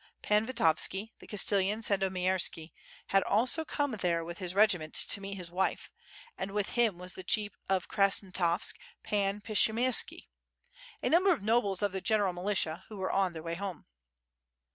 Pan Vitovski, the Castellan Sandomierski, had also come there with his regiment to meet his wife, and with him was the Chief of Krasnostavsk Pan Pshiyemski, a number of nobles of the general militia, who were on their way home.